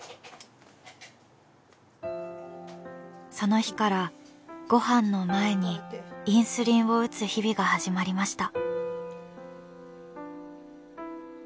その日からご飯の前にインスリンを打つ日々が始まりました。